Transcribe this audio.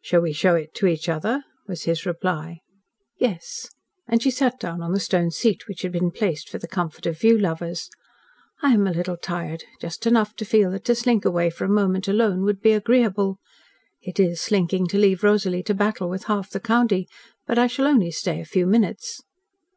"Shall we show it to each other?" was his reply. "Yes." And she sat down on the stone seat which had been placed for the comfort of view lovers. "I am a little tired just enough to feel that to slink away for a moment alone would be agreeable. It IS slinking to leave Rosalie to battle with half the county. But I shall only stay a few minutes."